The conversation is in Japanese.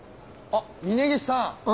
あっ峰岸さん